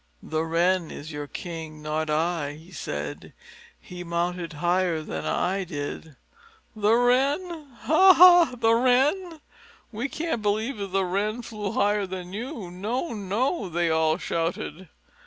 "The Wren is your king, not I," he said. "He mounted higher than I did." "The Wren? Ha ha! The Wren! We can't believe that The Wren flew higher than you? No, no!" they all shouted.